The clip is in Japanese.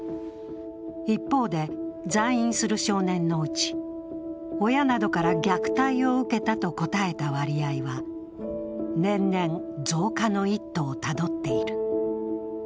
一方で、在院する少年のうち、親などから虐待を受けたと答えた割合は年々増加の一途をたどっている。